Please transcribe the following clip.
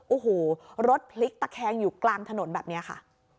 โอ้โหรถพลิกตะแคงอยู่กลางถนนแบบนี้ค่ะ